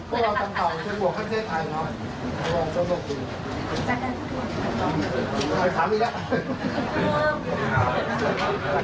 ก็เอาเจ้าโลกดู